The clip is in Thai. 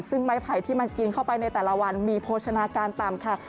ซึ่งไม้ไผ่ที่มันกินเข้าไปในแต่ละวันมีโภชนาการต่ำค่ะ